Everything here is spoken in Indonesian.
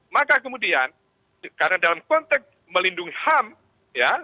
maka kemudian karena dalam konteks melindungi ham ya